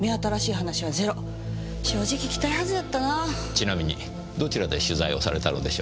ちなみにどちらで取材をされたのでしょう？